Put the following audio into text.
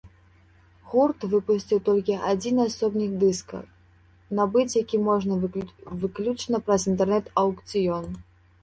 Гурт выпусціў толькі адзін асобнік дыска, набыць які можна выключна праз інтэрнэт-аукцыён.